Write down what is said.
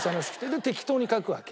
で適当に書くわけ。